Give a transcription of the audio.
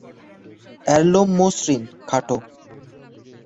এর লোম মসৃণ, খাটো।